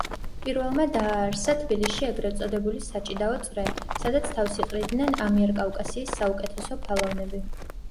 პირველმა დააარსა თბილისში ეგრეთ წოდებული საჭიდაო წრე, სადაც თავს იყრიდნენ ამიერკავკასიის საუკეთესო ფალავნები.